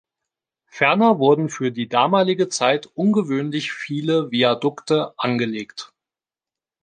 Ferner wurden für die damalige Zeit ungewöhnlich viele Viadukte angelegt.